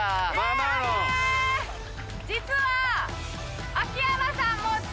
実は。